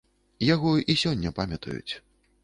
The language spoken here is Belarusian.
Яго і сёння памятаюць.